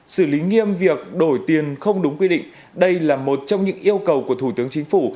xử lý nghiêm việc đổi tiền không đúng quy định đây là một trong những yêu cầu của thủ tướng chính phủ